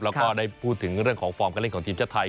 แล้วก็ได้พูดถึงเรื่องของฟอร์มการเล่นของทีมชาติไทย